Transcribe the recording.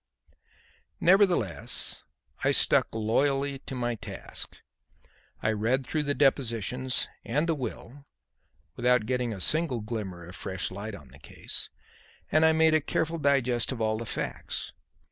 Nevertheless, I stuck loyally to my task. I read through the depositions and the will without getting a single glimmer of fresh light on the case and I made a careful digest of all the facts.